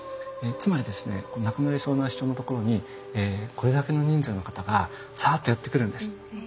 つまりですね亡くなりそうな人のところにこれだけの人数の方がサーッとやって来るんです。